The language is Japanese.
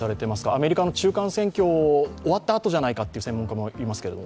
アメリカの中間選挙が終わったあとじゃないかという専門家もいますけど。